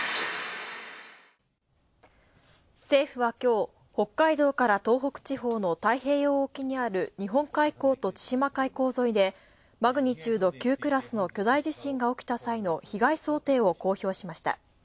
政府はきょう、北海道から東北地方の太平洋沖にある日本海溝と千島海溝沿いで、マグニチュード９クラスの巨大地震が起きた際の被害想定を公表しました。